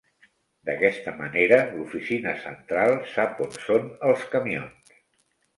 D'aquesta manera, l'oficina central sap on són els camions.